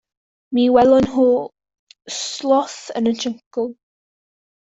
Mi welon nhw sloth yn y jyngl.